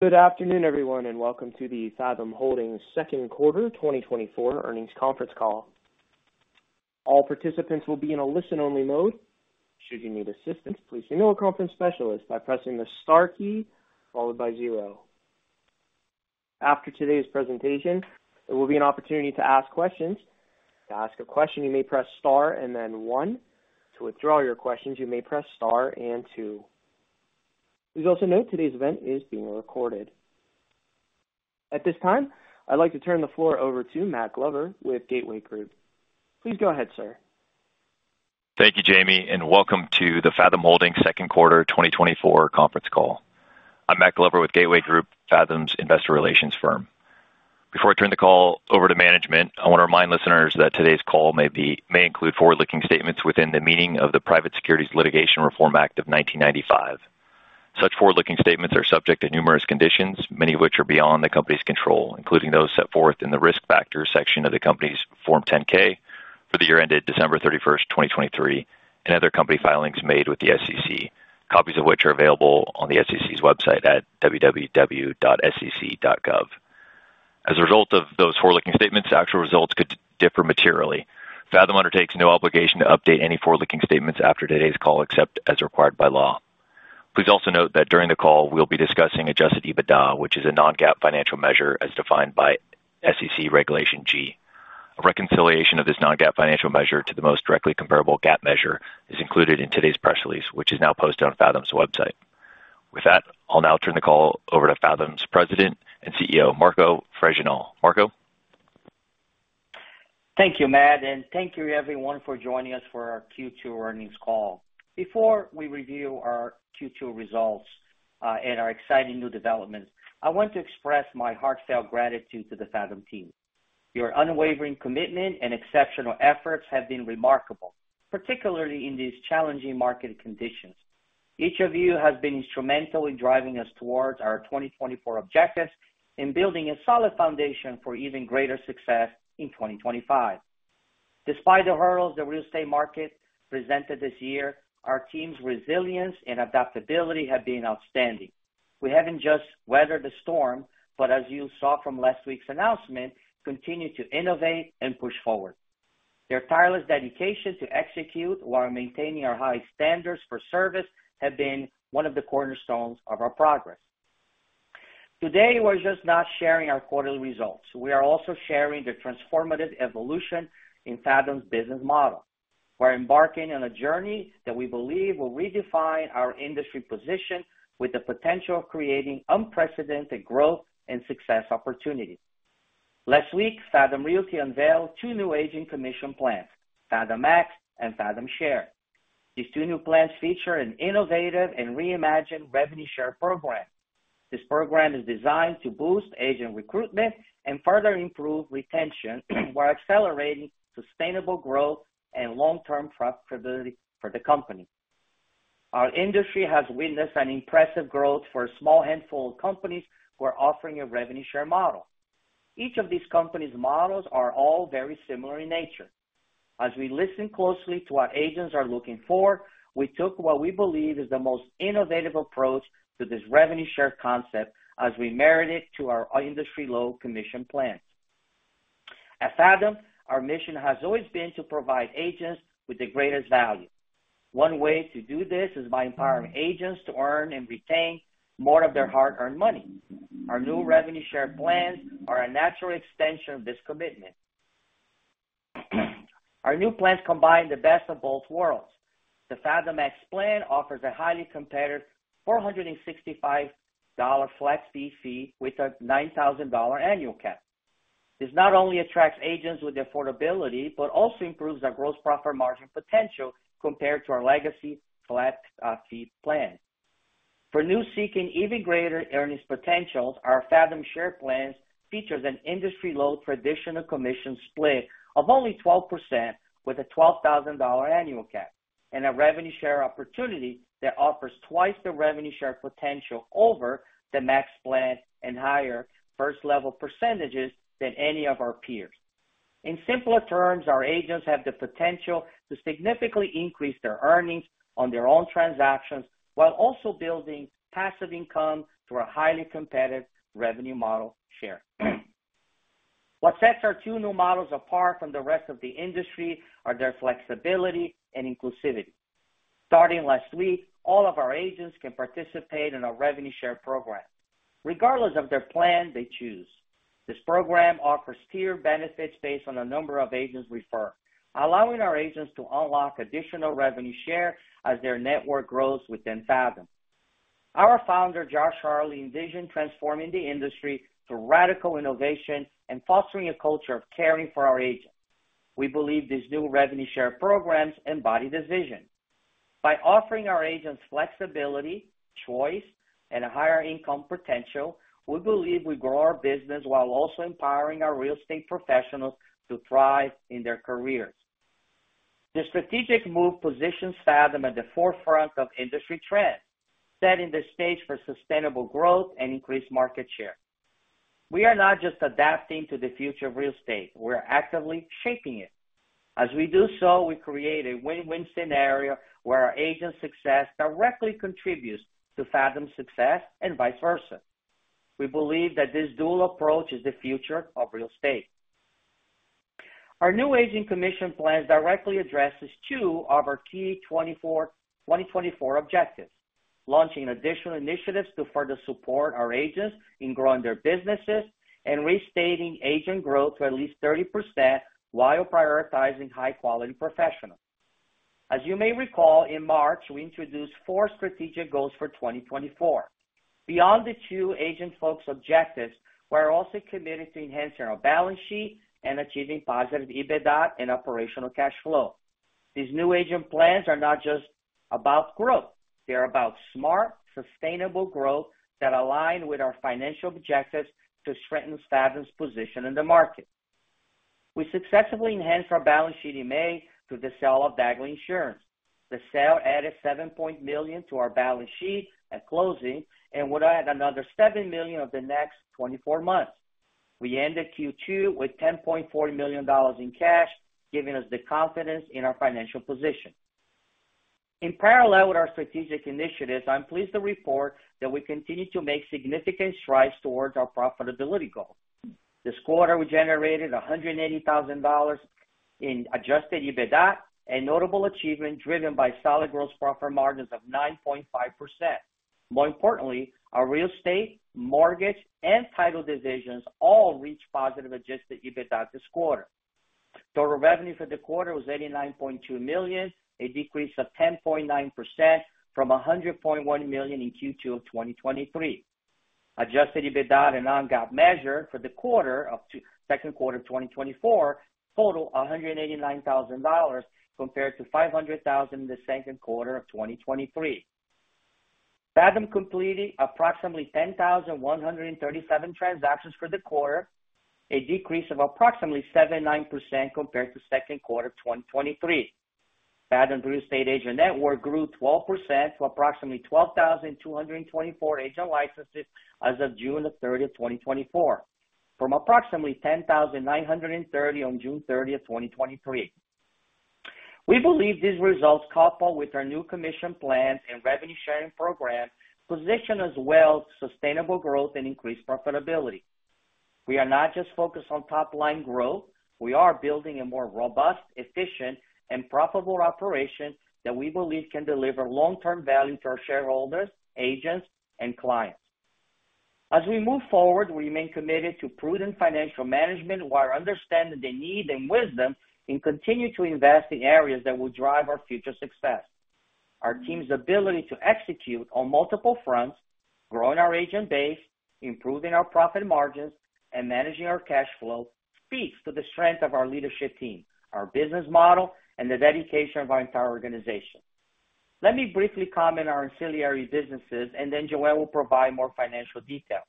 Good afternoon, everyone, and welcome to the Fathom Holdings Second Quarter 2024 Earnings Conference Call. All participants will be in a listen-only mode. Should you need assistance, please email a conference specialist by pressing the star key followed by zero. After today's presentation, there will be an opportunity to ask questions. To ask a question, you may press Star and then one. To withdraw your questions, you may press Star and two. Please also note, today's event is being recorded. At this time, I'd like to turn the floor over to Matt Glover with Gateway Group. Please go ahead, sir. Thank you, Jamie, and welcome to the Fathom Holdings Second Quarter 2024 conference call. I'm Matt Glover with Gateway Group, Fathom's investor relations firm. Before I turn the call over to management, I want to remind listeners that today's call may include forward-looking statements within the meaning of the Private Securities Litigation Reform Act of 1995. Such forward-looking statements are subject to numerous conditions, many of which are beyond the company's control, including those set forth in the Risk Factors section of the company's Form 10-K for the year ended December 31st, 2023, and other company filings made with the SEC, copies of which are available on the SEC's website at www.sec.gov. As a result of those forward-looking statements, actual results could differ materially. Fathom undertakes no obligation to update any forward-looking statements after today's call, except as required by law. Please also note that during the call, we'll be discussing adjusted EBITDA, which is a non-GAAP financial measure as defined by SEC Regulation G. A reconciliation of this non-GAAP financial measure to the most directly comparable GAAP measure is included in today's press release, which is now posted on Fathom's website. With that, I'll now turn the call over to Fathom's President and CEO, Marco Fregenal. Marco? Thank you, Matt, and thank you everyone for joining us for our Q2 earnings call. Before we review our Q2 results, and our exciting new developments, I want to express my heartfelt gratitude to the Fathom team. Your unwavering commitment and exceptional efforts have been remarkable, particularly in these challenging market conditions. Each of you has been instrumental in driving us towards our 2024 objectives and building a solid foundation for even greater success in 2025. Despite the hurdles the real estate market presented this year, our team's resilience and adaptability have been outstanding. We haven't just weathered the storm, but as you saw from last week's announcement, continued to innovate and push forward. Their tireless dedication to execute while maintaining our high standards for service have been one of the cornerstones of our progress. Today, we're just not sharing our quarterly results. We are also sharing the transformative evolution in Fathom's business model. We're embarking on a journey that we believe will redefine our industry position with the potential of creating unprecedented growth and success opportunities. Last week, Fathom Realty unveiled two new agent commission plans, Fathom Max and Fathom Share. These two new plans feature an innovative and reimagined revenue share program. This program is designed to boost agent recruitment and further improve retention, while accelerating sustainable growth and long-term profitability for the company. Our industry has witnessed an impressive growth for a small handful of companies who are offering a revenue share model. Each of these companies' models are all very similar in nature. As we listen closely to what agents are looking for, we took what we believe is the most innovative approach to this revenue share concept as we married it to our industry-low commission plans. At Fathom, our mission has always been to provide agents with the greatest value. One way to do this is by empowering agents to earn and retain more of their hard-earned money. Our new revenue share plans are a natural extension of this commitment. Our new plans combine the best of both worlds. The Fathom Max plan offers a highly competitive $465 flat fee with a $9,000 annual cap. This not only attracts agents with the affordability, but also improves their gross profit margin potential compared to our legacy flat fee plan. For those seeking even greater earnings potentials, our Fathom Share plans features an industry-low traditional commission split of only 12% with a $12,000 annual cap, and a revenue share opportunity that offers twice the revenue share potential over the max plan, and higher first-level percentages than any of our peers. In simpler terms, our agents have the potential to significantly increase their earnings on their own transactions, while also building passive income through a highly competitive revenue model share. What sets our two new models apart from the rest of the industry are their flexibility and inclusivity. Starting last week, all of our agents can participate in our revenue share program, regardless of their plan they choose. This program offers tier benefits based on the number of agents referred, allowing our agents to unlock additional revenue share as their network grows within Fathom. Our founder, Josh Harley, envisioned transforming the industry through radical innovation and fostering a culture of caring for our agents. We believe these new revenue share programs embody this vision. By offering our agents flexibility, choice, and a higher income potential, we believe we grow our business while also empowering our real estate professionals to thrive in their careers. The strategic move positions Fathom at the forefront of industry trends, setting the stage for sustainable growth and increased market share. We are not just adapting to the future of real estate, we're actively shaping it. As we do so, we create a win-win scenario where our agent success directly contributes to Fathom's success and vice-versa. We believe that this dual approach is the future of real estate. Our new agent commission plan directly addresses two of our key 2024 objectives: launching additional initiatives to further support our agents in growing their businesses, and restating agent growth to at least 30% while prioritizing high-quality professionals. As you may recall, in March, we introduced four strategic goals for 2024. Beyond the two agent-focused objectives, we're also committed to enhancing our balance sheet and achieving positive EBITDA and operational cash flow. These new agent plans are not just about growth, they're about smart, sustainable growth that align with our financial objectives to strengthen Fathom's position in the market. We successfully enhanced our balance sheet in May through the sale of Dagley Insurance. The sale added $7 million to our balance sheet at closing, and would add another $7 million over the next 24 months. We ended Q2 with $10.4 million in cash, giving us the confidence in our financial position. In parallel with our strategic initiatives, I'm pleased to report that we continue to make significant strides towards our profitability goal. This quarter, we generated $180,000 in adjusted EBITDA, a notable achievement driven by solid gross profit margins of 9.5%. More importantly, our real estate, mortgage, and title divisions all reached positive adjusted EBITDA this quarter. Total revenue for the quarter was $89.2 million, a decrease of 10.9% from $100.1 million in Q2 of 2023. Adjusted EBITDA, a non-GAAP measure for the second quarter of 2024, totaled $189,000 compared to $500,000 in the second quarter of 2023. Fathom completed approximately 10,137 transactions for the quarter, a decrease of approximately 7.9% compared to second quarter of 2023. Fathom real estate agent network grew 12% to approximately 12,224 agent licenses as of June 30, 2024, from approximately 10,930 on June 30, 2023. We believe these results, coupled with our new commission plans and revenue sharing program, position us well to sustainable growth and increased profitability. We are not just focused on top-line growth, we are building a more robust, efficient, and profitable operation that we believe can deliver long-term value to our shareholders, agents, and clients. As we move forward, we remain committed to prudent financial management, while understanding the need and wisdom, and continue to invest in areas that will drive our future success. Our team's ability to execute on multiple fronts, growing our agent base, improving our profit margins, and managing our cash flow, speaks to the strength of our leadership team, our business model, and the dedication of our entire organization. Let me briefly comment on our ancillary businesses, and then Joanne will provide more financial details.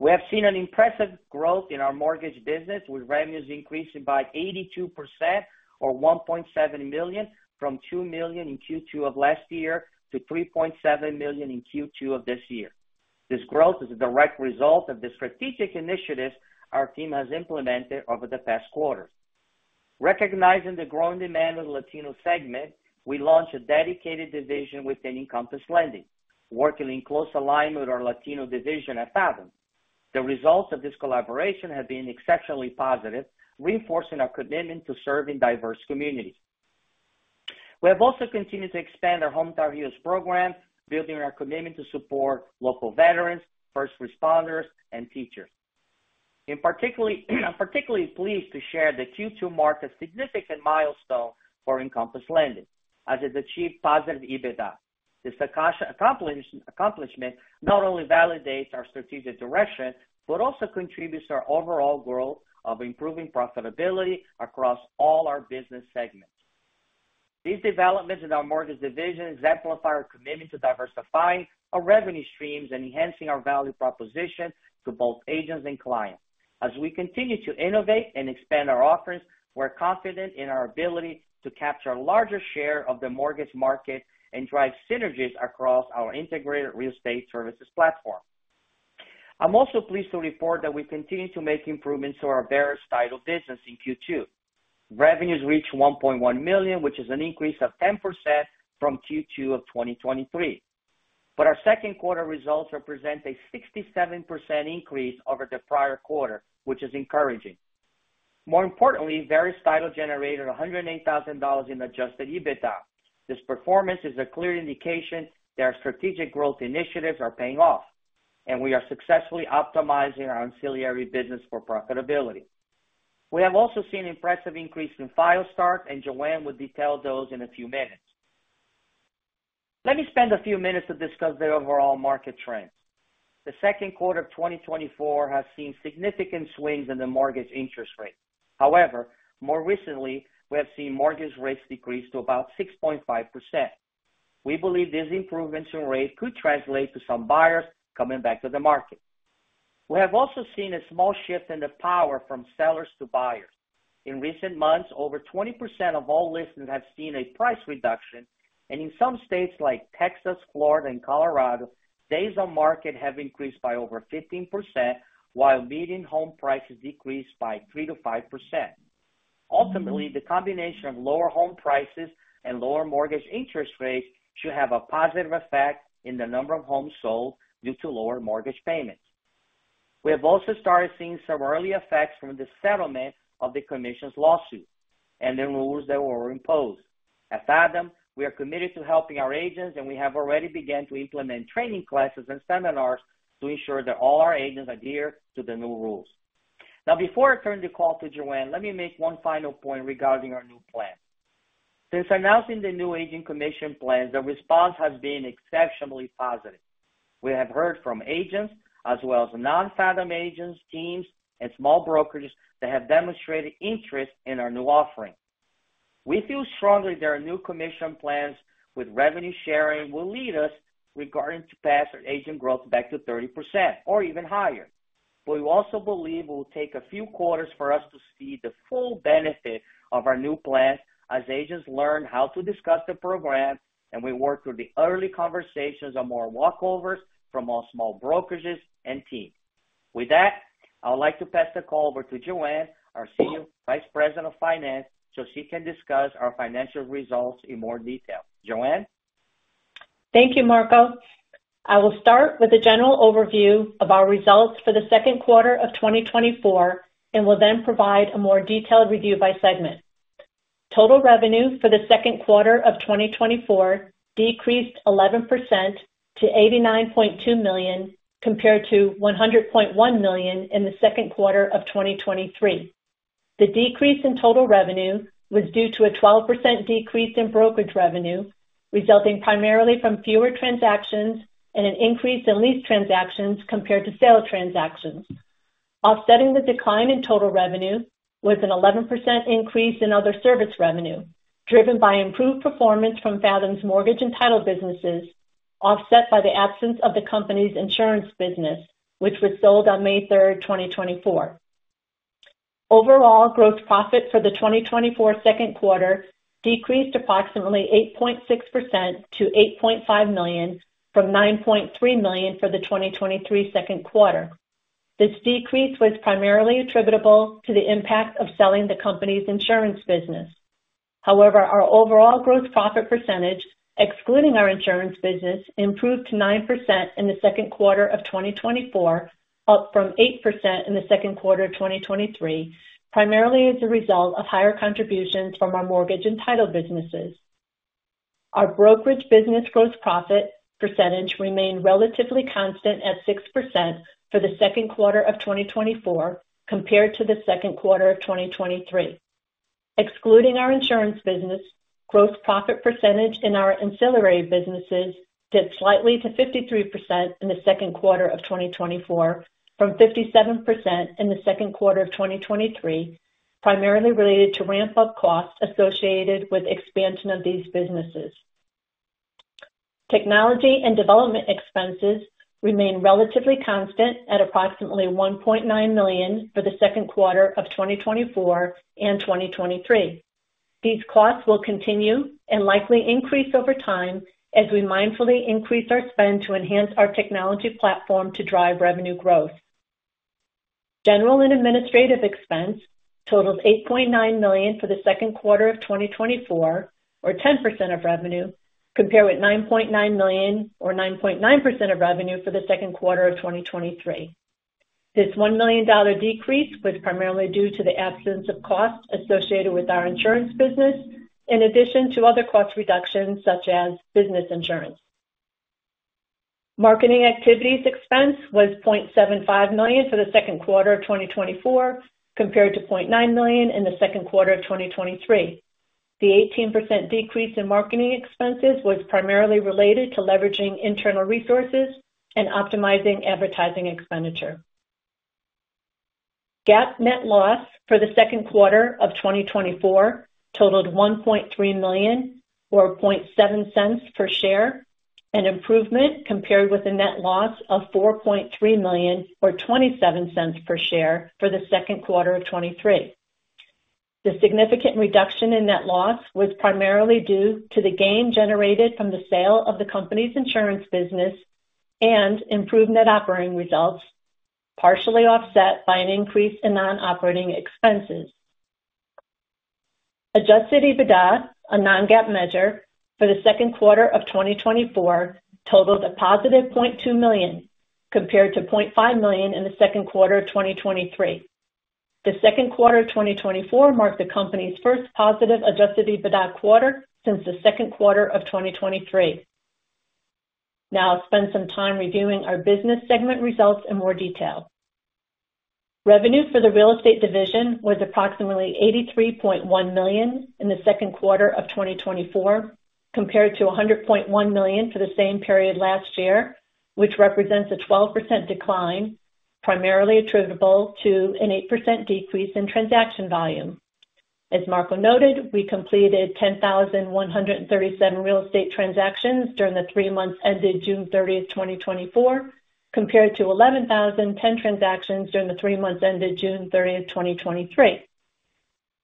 We have seen an impressive growth in our mortgage business, with revenues increasing by 82% or $1.7 million, from $2 million in Q2 of last year to $3.7 million in Q2 of this year. This growth is a direct result of the strategic initiatives our team has implemented over the past quarter. Recognizing the growing demand of the Latino segment, we launched a dedicated division within Encompass Lending, working in close alignment with our Latino division at Fathom. The results of this collaboration have been exceptionally positive, reinforcing our commitment to serving diverse communities. We have also continued to expand our Hometown Heroes program, building our commitment to support local veterans, first responders, and teachers. In particular, I'm particularly pleased to share that Q2 marked a significant milestone for Encompass Lending, as it achieved positive EBITDA. This accomplishment not only validates our strategic direction, but also contributes to our overall growth of improving profitability across all our business segments. These developments in our mortgage division exemplify our commitment to diversifying our revenue streams and enhancing our value proposition to both agents and clients. As we continue to innovate and expand our offerings, we're confident in our ability to capture a larger share of the mortgage market and drive synergies across our integrated real estate services platform. I'm also pleased to report that we continue to make improvements to our Verus Title business in Q2. Revenues reached $1.1 million, which is an increase of 10% from Q2 of 2023. But our second quarter results represent a 67% increase over the prior quarter, which is encouraging. More importantly, Verus Title generated $108,000 in adjusted EBITDA. This performance is a clear indication that our strategic growth initiatives are paying off, and we are successfully optimizing our ancillary business for profitability. We have also seen impressive increase in file start, and Joanne will detail those in a few minutes. Let me spend a few minutes to discuss the overall market trends. The second quarter of 2024 has seen significant swings in the mortgage interest rate. However, more recently, we have seen mortgage rates decrease to about 6.5%. We believe this improvement in rate could translate to some buyers coming back to the market. We have also seen a small shift in the power from sellers to buyers. In recent months, over 20% of all listings have seen a price reduction, and in some states like Texas, Florida, and Colorado, days on market have increased by over 15%, while median home prices decreased by 3%-5%. Ultimately, the combination of lower home prices and lower mortgage interest rates should have a positive effect in the number of homes sold due to lower mortgage payments. We have also started seeing some early effects from the settlement of the commission's lawsuit and the rules that were imposed. At Fathom, we are committed to helping our agents, and we have already begun to implement training classes and seminars to ensure that all our agents adhere to the new rules. Now, before I turn the call to Joanne, let me make one final point regarding our new plan. Since announcing the new agent commission plan, the response has been exceptionally positive. We have heard from agents as well as non-Fathom agents, teams, and small brokerages that have demonstrated interest in our new offering. We feel strongly that our new commission plans with revenue sharing will lead us regarding to pass our agent growth back to 30% or even higher. But we also believe it will take a few quarters for us to see the full benefit of our new plan as agents learn how to discuss the program, and we work through the early conversations on more walkovers from all small brokerages and teams. With that, I would like to pass the call over to Joanne, our Senior Vice President of Finance, so she can discuss our financial results in more detail. Joanne? Thank you, Marco. I will start with a general overview of our results for the second quarter of 2024, and will then provide a more detailed review by segment. Total revenue for the second quarter of 2024 decreased 11% to $89.2 million, compared to $100.1 million in the second quarter of 2023. The decrease in total revenue was due to a 12% decrease in brokerage revenue, resulting primarily from fewer transactions and an increase in lease transactions compared to sale transactions. Offsetting the decline in total revenue was an 11% increase in other service revenue, driven by improved performance from Fathom's mortgage and title businesses, offset by the absence of the company's insurance business, which was sold on May 3rd, 2024. Overall, gross profit for the 2024 second quarter decreased approximately 8.6% to $8.5 million, from $9.3 million for the 2023 second quarter. This decrease was primarily attributable to the impact of selling the company's insurance business. However, our overall gross profit percentage, excluding our insurance business, improved to 9% in the second quarter of 2024, up from 8% in the second quarter of 2023, primarily as a result of higher contributions from our mortgage and title businesses. Our brokerage business gross profit percentage remained relatively constant at 6% for the second quarter of 2024, compared to the second quarter of 2023. Excluding our insurance business, gross profit percentage in our ancillary businesses dipped slightly to 53% in the second quarter of 2024, from 57% in the second quarter of 2023, primarily related to ramp-up costs associated with expansion of these businesses. Technology and development expenses remain relatively constant at approximately $1.9 million for the second quarter of 2024 and 2023. These costs will continue and likely increase over time as we mindfully increase our spend to enhance our technology platform to drive revenue growth. General and administrative expense totals $8.9 million for the second quarter of 2024, or 10% of revenue, compared with $9.9 million, or 9.9% of revenue, for the second quarter of 2023. This $1 million decrease was primarily due to the absence of costs associated with our insurance business, in addition to other cost reductions such as business insurance. Marketing activities expense was $0.75 million for the second quarter of 2024, compared to $0.9 million in the second quarter of 2023. The 18% decrease in marketing expenses was primarily related to leveraging internal resources and optimizing advertising expenditure. GAAP net loss for the second quarter of 2024 totaled $1.3 million, or $0.007 per share, an improvement compared with a net loss of $4.3 million, or $0.27 per share for the second quarter of 2023. The significant reduction in net loss was primarily due to the gain generated from the sale of the company's insurance business and improved net operating results, partially offset by an increase in non-operating expenses. Adjusted EBITDA, a non-GAAP measure, for the second quarter of 2024 totaled a positive $0.2 million, compared to $0.5 million in the second quarter of 2023. The second quarter of 2024 marked the company's first positive adjusted EBITDA quarter since the second quarter of 2023. Now I'll spend some time reviewing our business segment results in more detail. Revenue for the real estate division was approximately $83.1 million in the second quarter of 2024, compared to $100.1 million for the same period last year, which represents a 12% decline, primarily attributable to an 8% decrease in transaction volume. As Marco noted, we completed 10,137 real estate transactions during the three months ended June 30, 2024, compared to 11,010 transactions during the three months ended June 30, 2023.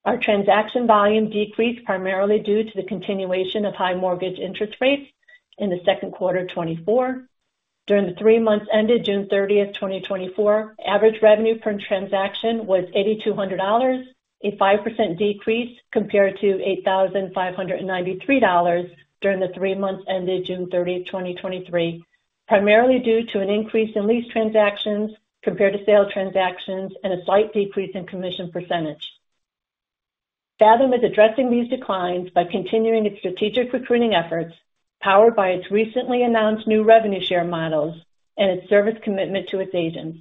Our transaction volume decreased primarily due to the continuation of high mortgage interest rates in the second quarter of 2024. During the three months ended June 30, 2024, average revenue per transaction was $8,200, a 5% decrease compared to $8,593 during the three months ended June 30, 2023, primarily due to an increase in lease transactions compared to sale transactions and a slight decrease in commission percentage. Fathom is addressing these declines by continuing its strategic recruiting efforts, powered by its recently announced new revenue share models and its service commitment to its agents.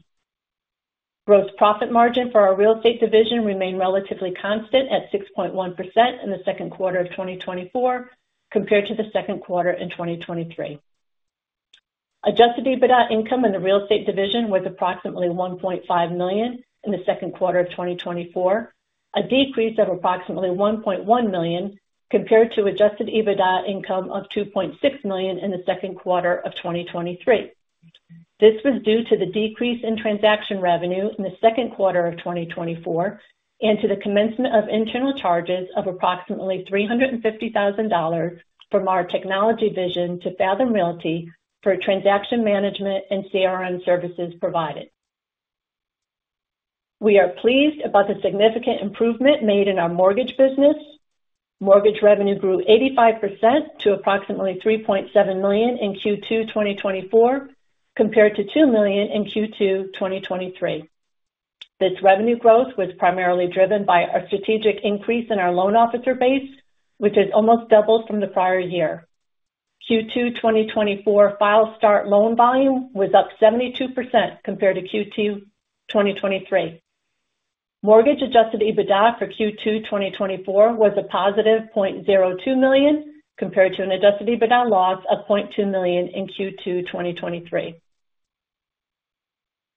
Gross profit margin for our real estate division remained relatively constant at 6.1% in the second quarter of 2024 compared to the second quarter in 2023. Adjusted EBITDA income in the real estate division was approximately $1.5 million in the second quarter of 2024, a decrease of approximately $1.1 million compared to adjusted EBITDA income of $2.6 million in the second quarter of 2023. This was due to the decrease in transaction revenue in the second quarter of 2024 and to the commencement of internal charges of approximately $350,000 from our technology division to Fathom Realty for transaction management and CRM services provided. We are pleased about the significant improvement made in our mortgage business. Mortgage revenue grew 85% to approximately $3.7 million in Q2 2024, compared to $2 million in Q2 2023. This revenue growth was primarily driven by a strategic increase in our loan officer base, which has almost doubled from the prior year. Q2 2024 file start loan volume was up 72% compared to Q2 2023. Mortgage adjusted EBITDA for Q2 2024 was a positive $0.02 million, compared to an adjusted EBITDA loss of $0.2 million in Q2 2023.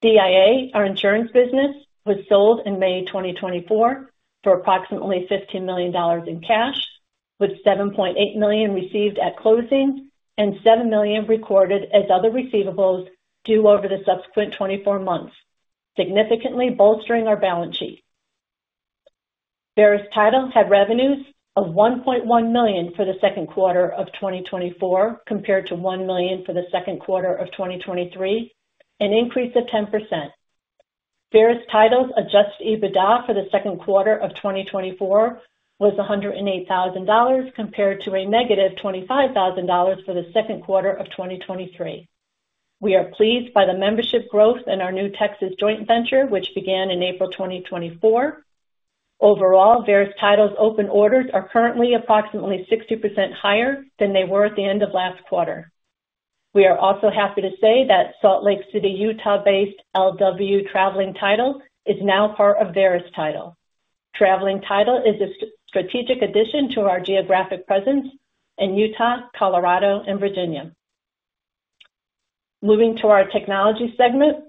DIA, our insurance business, was sold in May 2024 for approximately $15 million in cash, with $7.8 million received at closing and $7 million recorded as other receivables due over the subsequent 24 months, significantly bolstering our balance sheet. Verus Title had revenues of $1.1 million for the second quarter of 2024, compared to $1 million for the second quarter of 2023, an increase of 10%. Verus Title's adjusted EBITDA for the second quarter of 2024 was $108,000, compared to a negative $25,000 for the second quarter of 2023. We are pleased by the membership growth in our new Texas joint venture, which began in April 2024. Overall, Verus Title's open orders are currently approximately 60% higher than they were at the end of last quarter. We are also happy to say that Salt Lake City, Utah-based L.W. Traveling Title is now part of Verus Title. Traveling Title is a strategic addition to our geographic presence in Utah, Colorado, and Virginia. Moving to our technology segment,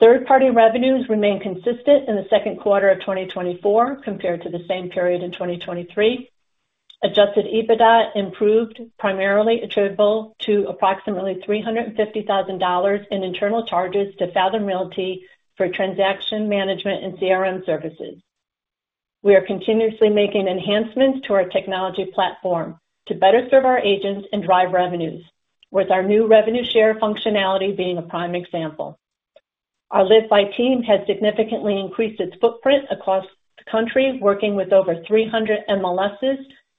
third-party revenues remained consistent in the second quarter of 2024 compared to the same period in 2023. Adjusted EBITDA improved, primarily attributable to approximately $350,000 in internal charges to Fathom Realty for transaction management and CRM services. We are continuously making enhancements to our technology platform to better serve our agents and drive revenues, with our new revenue share functionality being a prime example. Our LiveBy team has significantly increased its footprint across the country, working with over 300 MLSs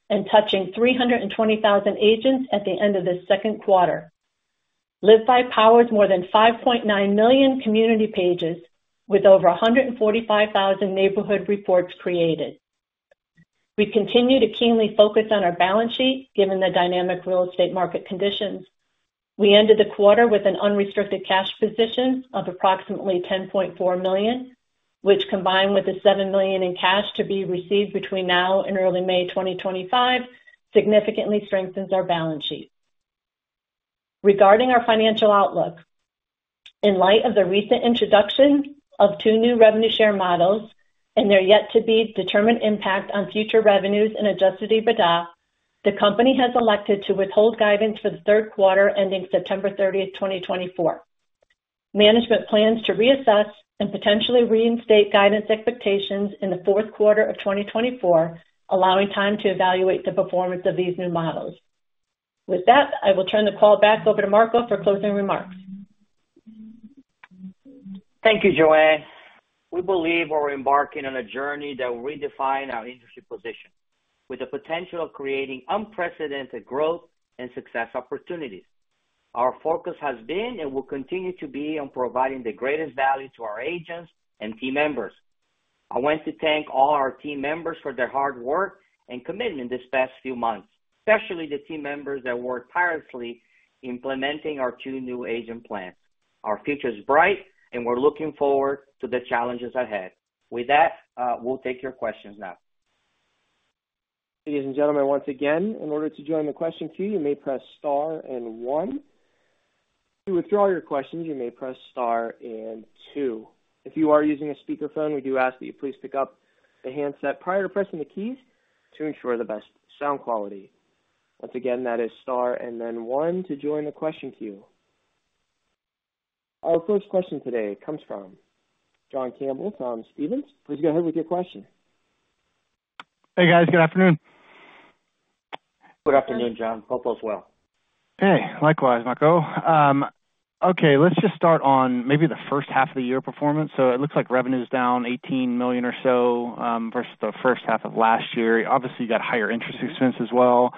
and touching 320,000 agents at the end of this second quarter. LiveBy powers more than 5.9 million community pages with over 145,000 neighborhood reports created. We continue to keenly focus on our balance sheet, given the dynamic real estate market conditions. We ended the quarter with an unrestricted cash position of approximately $10.4 million, which, combined with the $7 million in cash to be received between now and early May 2025, significantly strengthens our balance sheet. Regarding our financial outlook, in light of the recent introduction of two new revenue share models and their yet-to-be-determined impact on future revenues and adjusted EBITDA, the company has elected to withhold guidance for the third quarter, ending September 30, 2024. Management plans to reassess and potentially reinstate guidance expectations in the fourth quarter of 2024, allowing time to evaluate the performance of these new models. With that, I will turn the call back over to Marco for closing remarks. Thank you, Joanne. We believe we're embarking on a journey that will redefine our industry position, with the potential of creating unprecedented growth and success opportunities. Our focus has been, and will continue to be, on providing the greatest value to our agents and team members. I want to thank all our team members for their hard work and commitment this past few months, especially the team members that worked tirelessly implementing our two new agent plans. Our future is bright, and we're looking forward to the challenges ahead. With that, we'll take your questions now. Ladies and gentlemen, once again, in order to join the question queue, you may press star and one. To withdraw your questions, you may press star and two. If you are using a speakerphone, we do ask that you please pick up the handset prior to pressing the keys to ensure the best sound quality. Once again, that is star and then one to join the question queue. Our first question today comes from John Campbell from Stephens. Please go ahead with your question. Hey, guys. Good afternoon. Good afternoon, John. Hope all is well. Hey, likewise, Marco. Okay, let's just start on maybe the first half of the year performance. So it looks like revenue is down $18 million or so versus the first half of last year. Obviously, you got higher interest expense as well.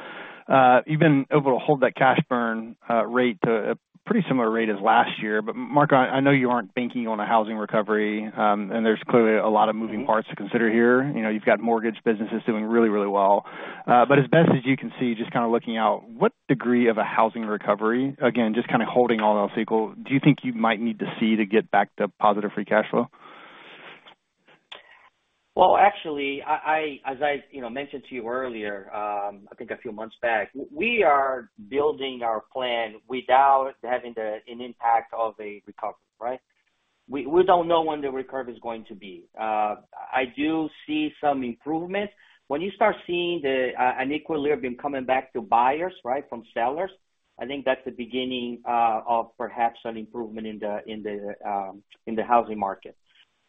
You've been able to hold that cash burn rate to a pretty similar rate as last year. But Marco, I know you aren't banking on a housing recovery, and there's clearly a lot of moving parts to consider here. You know, you've got mortgage businesses doing really, really well. But as best as you can see, just kind of looking out, what degree of a housing recovery, again, just kind of holding all else equal, do you think you might need to see to get back to positive free cash flow? Well, actually, as I, you know, mentioned to you earlier, I think a few months back, we are building our plan without having an impact of a recovery, right? We don't know when the recovery is going to be. I do see some improvement. When you start seeing an equilibrium coming back to buyers, right, from sellers, I think that's the beginning of perhaps an improvement in the housing market.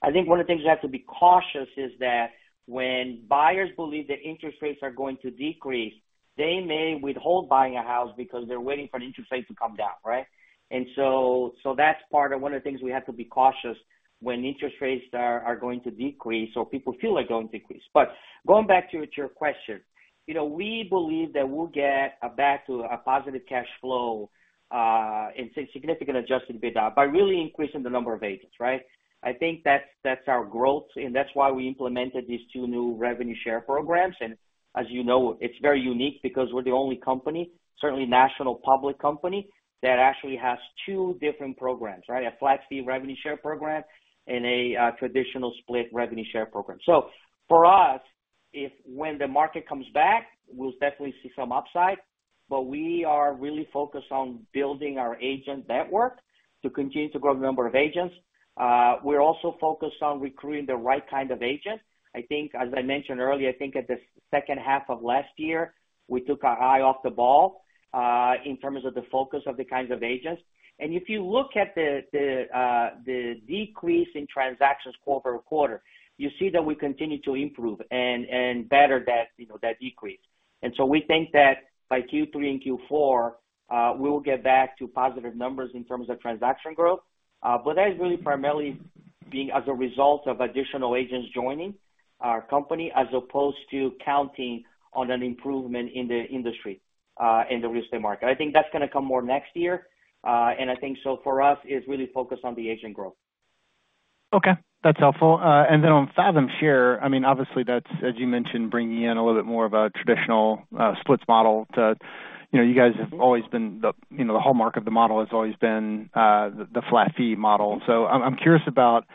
I think one of the things you have to be cautious is that when buyers believe that interest rates are going to decrease, they may withhold buying a house because they're waiting for the interest rate to come down, right? And so that's part of, one of the things we have to be cautious when interest rates are going to decrease or people feel they're going to decrease. But going back to your question, you know, we believe that we'll get back to a positive cash flow in significant Adjusted EBITDA by really increasing the number of agents, right? I think that's our growth, and that's why we implemented these two new revenue share programs. And as you know, it's very unique because we're the only company, certainly national public company, that actually has two different programs, right? A flat fee revenue share program and a traditional split revenue share program. So for us, if when the market comes back, we'll definitely see some upside, but we are really focused on building our agent network to continue to grow the number of agents. We're also focused on recruiting the right kind of agents. I think, as I mentioned earlier, I think at the second half of last year, we took our eye off the ball, in terms of the focus of the kinds of agents. And if you look at the decrease in transactions quarter-over-quarter, you see that we continue to improve and better that, you know, that decrease. And so we think that by Q3 and Q4, we will get back to positive numbers in terms of transaction growth. But that is really primarily being as a result of additional agents joining our company, as opposed to counting on an improvement in the industry, in the real estate market. I think that's gonna come more next year, and I think so for us, it's really focused on the agent growth. Okay, that's helpful. And then on Fathom Share, I mean, obviously that's, as you mentioned, bringing in a little bit more of a traditional, splits model to, you know, you guys have always been the, you know, the hallmark of the model has always been, the flat fee model. So I'm, I'm curious about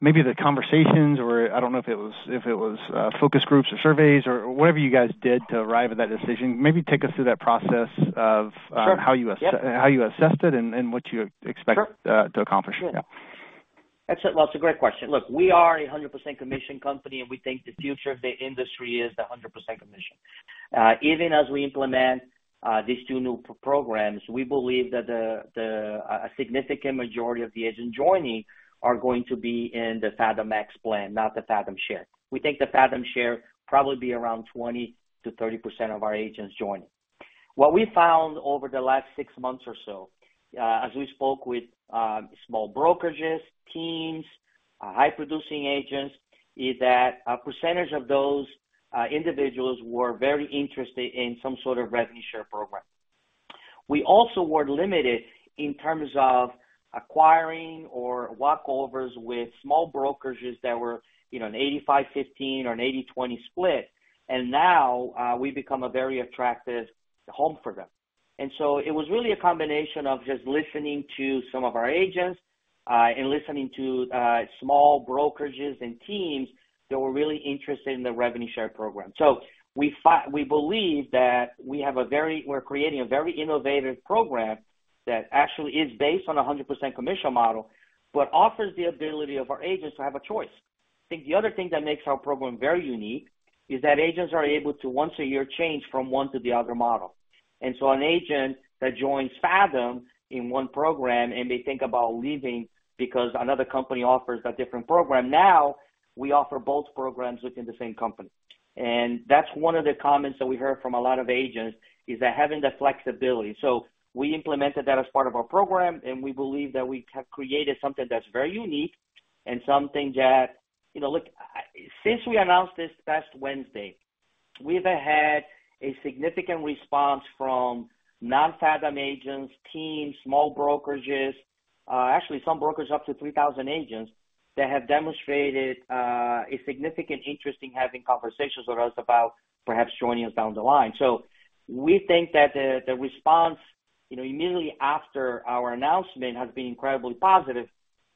maybe the conversations, or I don't know if it was, if it was, focus groups or surveys or whatever you guys did to arrive at that decision. Maybe take us through that process of, Sure. -how you as- Yep. how you assessed it and what you expect Sure. to accomplish. That's a, that's a great question. Look, we are 100% commission company, and we think the future of the industry is the 100% commission. Even as we implement these two new programs, we believe that a significant majority of the agents joining are going to be in the Fathom Max plan, not the Fathom Share. We think the Fathom Share probably be around 20%-30% of our agents joining. What we found over the last six months or so, as we spoke with small brokerages, teams, high producing agents, is that a percentage of those individuals were very interested in some sort of revenue share program. We also were limited in terms of acquiring or walkovers with small brokerages that were, you know, an 85/15 or an 80/20 split, and now, we've become a very attractive home for them. And so it was really a combination of just listening to some of our agents, and listening to small brokerages and teams that were really interested in the revenue share program. So we—we believe that we have a very—we're creating a very innovative program that actually is based on a 100% commission model, but offers the ability of our agents to have a choice. I think the other thing that makes our program very unique is that agents are able to, once a year, change from one to the other model. And so an agent that joins Fathom in one program, and they think about leaving because another company offers a different program, now, we offer both programs within the same company. And that's one of the comments that we heard from a lot of agents, is that having the flexibility. So we implemented that as part of our program, and we believe that we have created something that's very unique and something that... You know, look, since we announced this last Wednesday, we've had a significant response from non-Fathom agents, teams, small brokerages, actually some brokers up to 3,000 agents, that have demonstrated a significant interest in having conversations with us about perhaps joining us down the line. So we think that the, the response, you know, immediately after our announcement has been incredibly positive.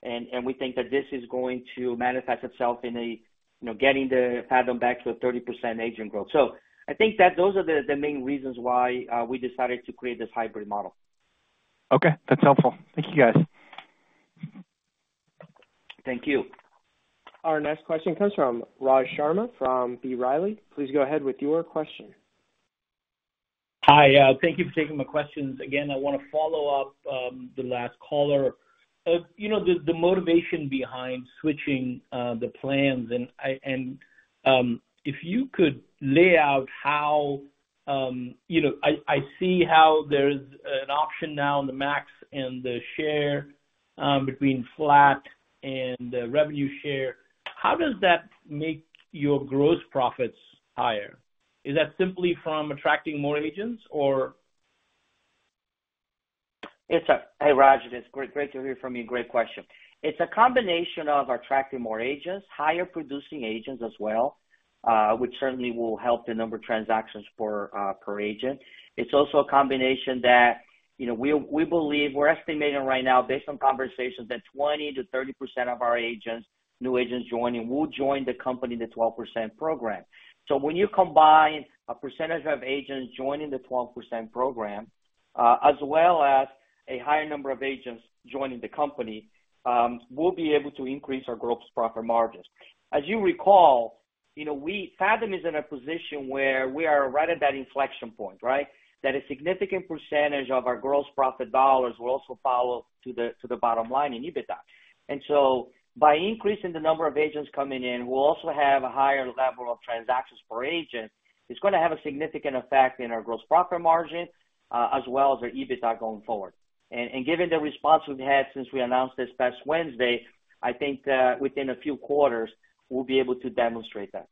And we think that this is going to manifest itself in, you know, getting the Fathom back to 30% agent growth. So I think that those are the main reasons why we decided to create this hybrid model. Okay, that's helpful. Thank you, guys. Thank you. Our next question comes from Raj Sharma from B. Riley. Please go ahead with your question. Hi, thank you for taking my questions. Again, I wanna follow up, the last caller. You know, the motivation behind switching the plans and, if you could lay out how... You know, I see how there's an option now on the Max and the Share, between flat and the revenue share. How does that make your gross profits higher? Is that simply from attracting more agents or? Hey, Raj, it is great, great to hear from you. Great question. It's a combination of attracting more agents, higher producing agents as well, which certainly will help the number of transactions for, per agent. It's also a combination that, you know, we, we believe we're estimating right now, based on conversations, that 20%-30% of our agents, new agents joining, will join the company, the 12% program. So when you combine a percentage of agents joining the 12% program, as well as a higher number of agents joining the company, we'll be able to increase our gross profit margins. As you recall, you know, we, Fathom is in a position where we are right at that inflection point, right? That a significant percentage of our gross profit dollars will also follow to the, to the bottom line in EBITDA. And so by increasing the number of agents coming in, we'll also have a higher level of transactions per agent. It's gonna have a significant effect in our gross profit margin, as well as our EBITDA going forward. And given the response we've had since we announced this past Wednesday, I think that within a few quarters, we'll be able to demonstrate that.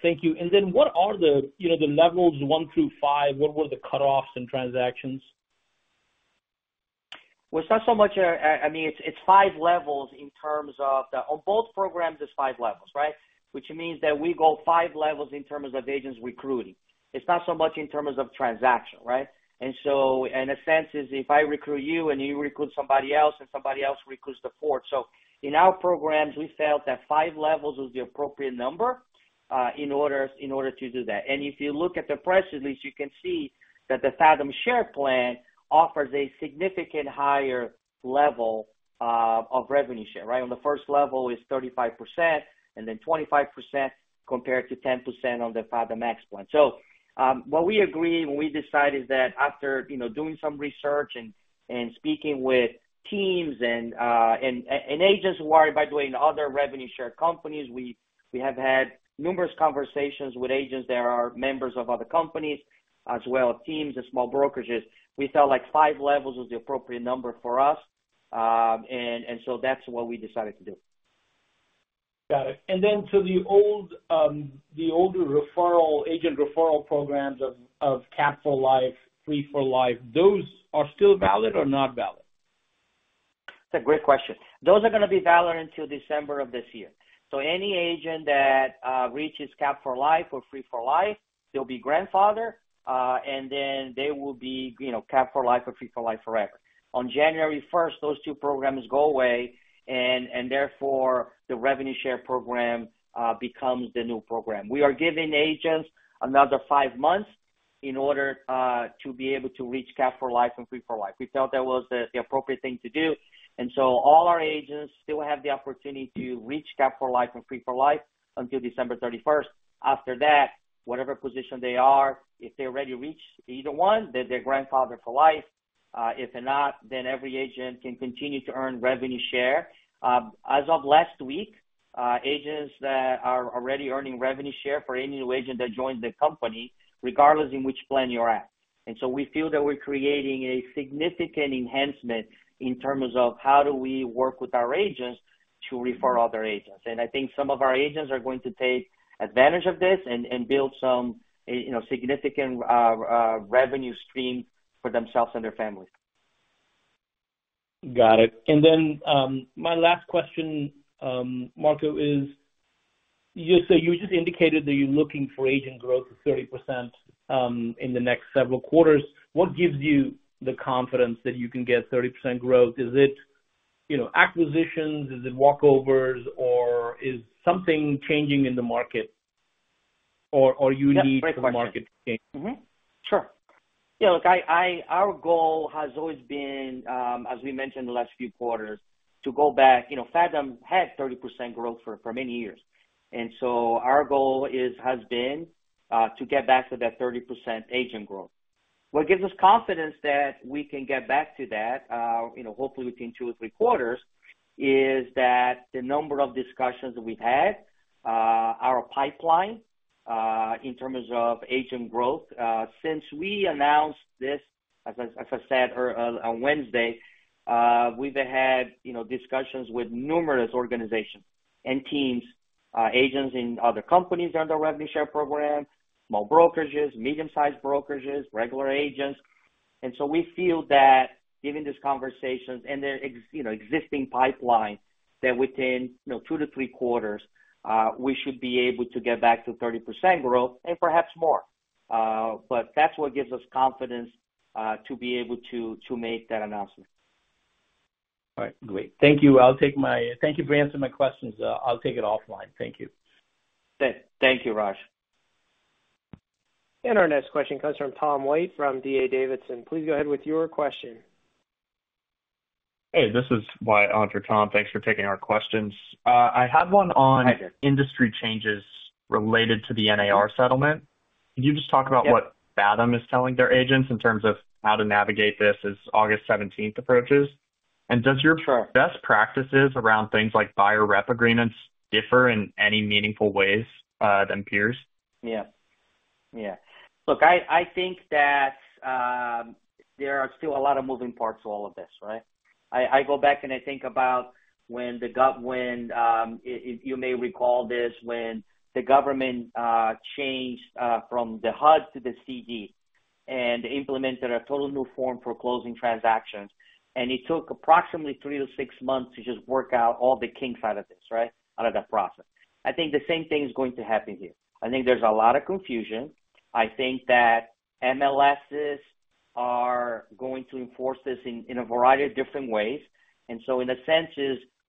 Thank you. Then what are the, you know, the levels one through five, what were the cutoffs in transactions? Well, it's not so much, I mean, it's five levels in terms of the... On both programs, it's five levels, right? Which means that we go five levels in terms of agents recruiting. It's not so much in terms of transaction, right? And so in a sense, is if I recruit you, and you recruit somebody else, and somebody else recruits the fourth. So in our programs, we felt that five levels was the appropriate number, in order, in order to do that. And if you look at the price list, you can see that the Fathom Share plan offers a significant higher level of revenue share, right? On the first level is 35%, and then 25%, compared to 10% on the Fathom Max plan. So, what we agreed, when we decided that after, you know, doing some research and speaking with teams and agents who are, by the way, in other revenue share companies, we have had numerous conversations with agents that are members of other companies, as well as teams and small brokerages. We felt like five levels was the appropriate number for us. So that's what we decided to do. Got it. And then, so the older referral agent referral programs of Cap for Life, Free for Life, those are still valid or not valid? That's a great question. Those are gonna be valid until December of this year. So any agent that reaches Cap for Life or Free for Life, they'll be grandfathered, and then they will be, you know, Cap for Life or Free for Life forever. On January first, those two programs go away, and therefore, the revenue share program becomes the new program. We are giving agents another five months in order to be able to reach Cap for Life and Free for Life. We felt that was the appropriate thing to do. And so all our agents still have the opportunity to reach Cap for Life and Free for Life until December thirty-first. After that, whatever position they are, if they already reached either one, then they're grandfathered for life. If not, then every agent can continue to earn revenue share. As of last week, agents that are already earning revenue share for any new agent that joins the company, regardless in which plan you're at. And so we feel that we're creating a significant enhancement in terms of how do we work with our agents to refer other agents. And I think some of our agents are going to take advantage of this and build a, you know, significant revenue stream for themselves and their families. Got it. And then, my last question, Marco, is: You say you just indicated that you're looking for agent growth of 30%, in the next several quarters. What gives you the confidence that you can get 30% growth? Is it, you know, acquisitions? Is it walkovers, or is something changing in the market? Or, or you need- Yeah, great question. The market to change? Sure. Yeah, look, I... Our goal has always been, as we mentioned the last few quarters, to go back. You know, Fathom had 30% growth for many years, and so our goal is, has been, to get back to that 30% agent growth. What gives us confidence that we can get back to that, you know, hopefully within two or three quarters, is that the number of discussions we've had, our pipeline, in terms of agent growth. Since we announced this, as I said, on Wednesday, we've had, you know, discussions with numerous organizations and teams, agents in other companies under revenue share program, small brokerages, medium-sized brokerages, regular agents. And so we feel that given these conversations and the existing pipeline, that within, you know, two to three quarters, we should be able to get back to 30% growth and perhaps more. But that's what gives us confidence to be able to make that announcement. All right, great. Thank you. I'll take my-- Thank you for answering my questions. I'll take it offline. Thank you. Thank you, Raj. Our next question comes from Tom White, from D.A. Davidson. Please go ahead with your question. Hey, this is Andrew Tom, thanks for taking our questions. I had one on Go ahead. industry changes related to the NAR settlement. Can you just talk about what- Yes. Fathom is telling their agents in terms of how to navigate this as August seventeenth approaches? And does your- Sure. best practices around things like buyer rep agreements differ in any meaningful ways than peers? Yeah. Yeah. Look, I think that there are still a lot of moving parts to all of this, right? I go back and I think about when the government changed from the HUD to the CD, and implemented a total new form for closing transactions, and it took approximately 3 months - 6 months to just work out all the kinks out of this, right? Out of that process. I think the same thing is going to happen here. I think there's a lot of confusion. I think that MLSs are going to enforce this in a variety of different ways. So in a sense,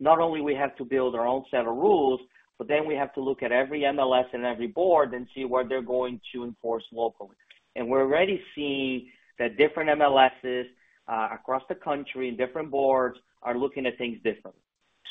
not only do we have to build our own set of rules, but then we have to look at every MLS and every board and see what they're going to enforce locally. We're already seeing that different MLSs across the country, and different boards are looking at things differently.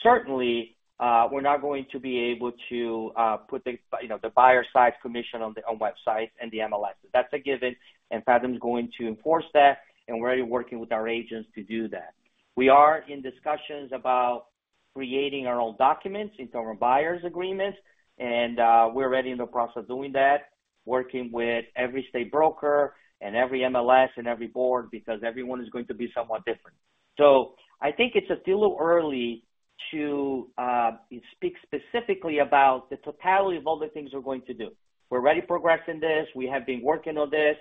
Certainly, we're not going to be able to put things, you know, the buyer side commission on the websites and the MLS. That's a given, and Fathom is going to enforce that, and we're already working with our agents to do that. We are in discussions about creating our own documents in terms of buyer's agreements, and we're already in the process of doing that, working with every state broker and every MLS and every board, because everyone is going to be somewhat different. So I think it's still a little early to speak specifically about the totality of all the things we're going to do. We're already progressing this. We have been working on this.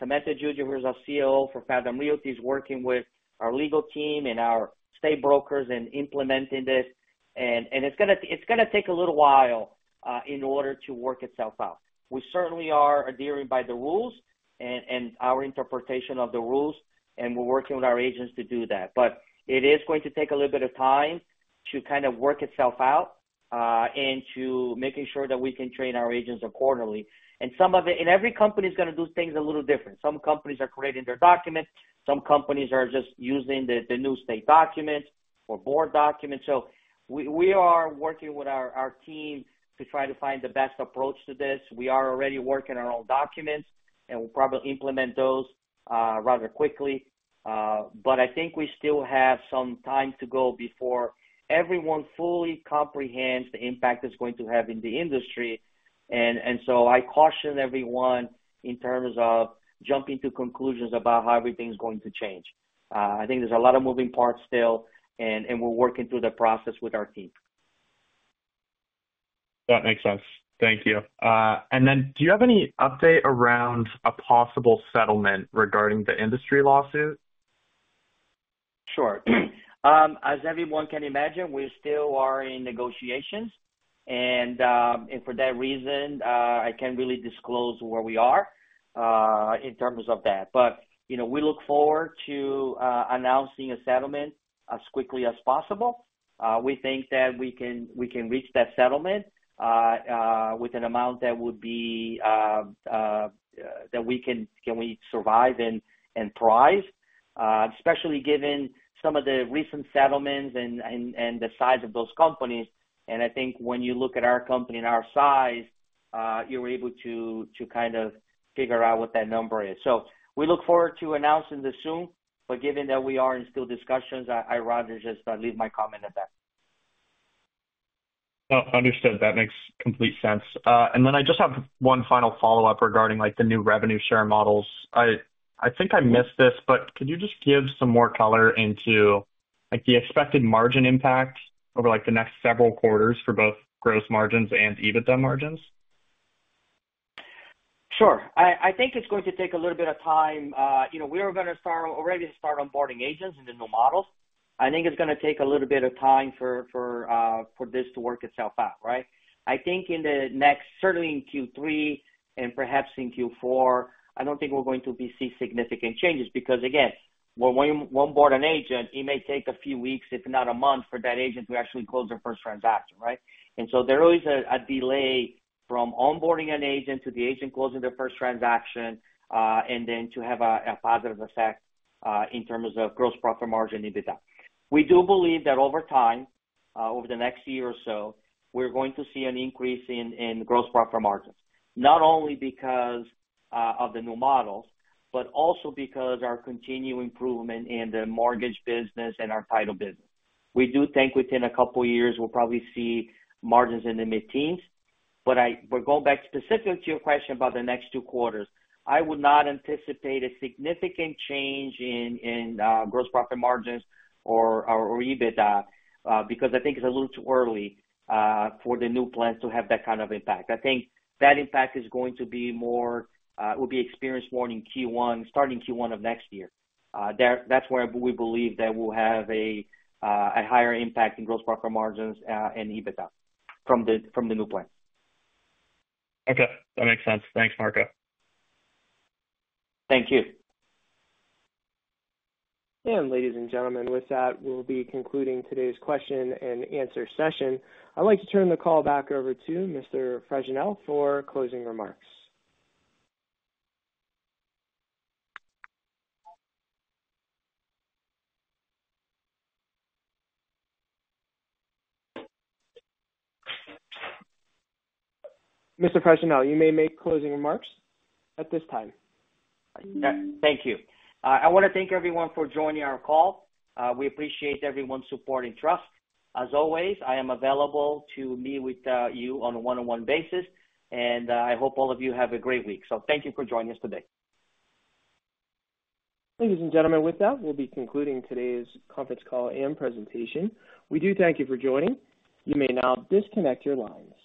Samantha Giudice, who's our COO for Fathom Realty, is working with our legal team and our state brokers in implementing this. And it's gonna take a little while in order to work itself out. We certainly are adhering by the rules and our interpretation of the rules, and we're working with our agents to do that. But it is going to take a little bit of time to kind of work itself out and to making sure that we can train our agents accordingly. And some of it. And every company is gonna do things a little different. Some companies are creating their documents, some companies are just using the new state documents or board documents. So we are working with our team to try to find the best approach to this. We are already working on our own documents, and we'll probably implement those rather quickly. But I think we still have some time to go before everyone fully comprehends the impact it's going to have in the industry. And so I caution everyone in terms of jumping to conclusions about how everything's going to change. I think there's a lot of moving parts still, and we're working through the process with our team. That makes sense. Thank you. And then do you have any update around a possible settlement regarding the industry lawsuit? Sure. As everyone can imagine, we still are in negotiations, and for that reason, I can't really disclose where we are in terms of that. But, you know, we look forward to announcing a settlement as quickly as possible. We think that we can reach that settlement with an amount that would be that we can survive and thrive, especially given some of the recent settlements and the size of those companies. And I think when you look at our company and our size, you're able to kind of figure out what that number is. So we look forward to announcing this soon, but given that we are in still discussions, I rather just leave my comment at that. Understood. That makes complete sense. And then I just have one final follow-up regarding, like, the new revenue share models. I think I missed this, but could you just give some more color into, like, the expected margin impact over, like, the next several quarters for both gross margins and EBITDA margins? Sure. I think it's going to take a little bit of time. You know, we are gonna start, already start onboarding agents in the new models. I think it's gonna take a little bit of time for, for, for this to work itself out, right? I think in the next certain in Q3 and perhaps in Q4, I don't think we're going to be see significant changes, because, again, when one onboard an agent, it may take a few weeks, if not a month, for that agent to actually close their first transaction, right? And so there is a, a delay from onboarding an agent to the agent closing their first transaction, and then to have a, a positive effect, in terms of gross profit margin and EBITDA. We do believe that over time, over the next year or so, we're going to see an increase in gross profit margins. Not only because of the new models, but also because our continued improvement in the mortgage business and our title business. We do think within a couple of years, we'll probably see margins in the mid-teens. But going back specific to your question about the next two quarters, I would not anticipate a significant change in gross profit margins or EBITDA, because I think it's a little too early for the new plans to have that kind of impact. I think that impact is going to be more, will be experienced more in Q1, starting Q1 of next year. That's where we believe that we'll have a higher impact in gross profit margins and EBITDA from the new plan. Okay, that makes sense. Thanks, Marco. Thank you. Ladies and gentlemen, with that, we'll be concluding today's question and answer session. I'd like to turn the call back over to Mr. Fregenal for closing remarks. Mr. Fregenal, you may make closing remarks at this time. Yeah. Thank you. I wanna thank everyone for joining our call. We appreciate everyone's support and trust. As always, I am available to meet with you on a one-on-one basis, and I hope all of you have a great week. So thank you for joining us today. Ladies and gentlemen, with that, we'll be concluding today's conference call and presentation. We do thank you for joining. You may now disconnect your lines.